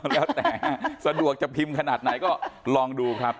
แล้วแต่สะดวกจะพิมพ์ขนาดไหนก็ลองดูครับ